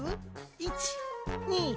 １２。